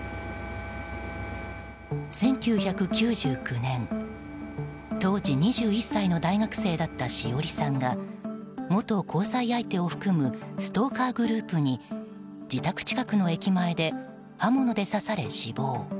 １９９９年、当時２１歳の大学生だった詩織さんが元交際相手を含むストーカーグループに自宅近くの駅まで刃物で刺され、死亡。